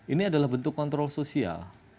ini adalah bentuk kontrol sosial